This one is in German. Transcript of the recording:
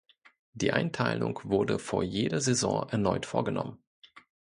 Die Einteilung wurde vor jeder Saison erneut vorgenommen.